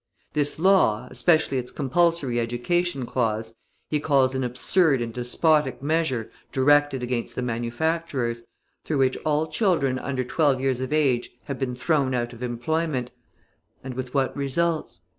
This law, especially its compulsory education clause, he calls an absurd and despotic measure directed against the manufacturers, through which all children under twelve years of age have been thrown out of employment; and with what results?